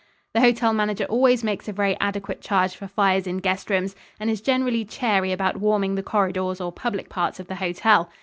The hotel manager always makes a very adequate charge for fires in guest rooms and is generally chary about warming the corridors or public parts of the hotel.